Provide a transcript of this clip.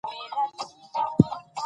کلاب مخلص صحابي او غوره مسلمان و،